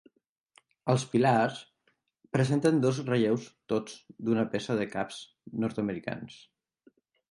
Els pilars presenten dos relleus tots d'una peça de caps nord-americans.